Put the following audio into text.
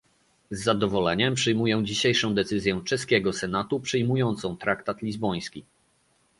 Z zadowoleniem przyjmuję dzisiejszą decyzję czeskiego senatu przyjmującą traktat lizboński